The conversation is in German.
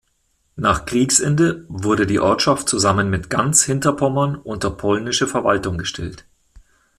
Nach Kriegsende wurde die Ortschaft zusammen mit ganz Hinterpommern unter polnische Verwaltung gestellt.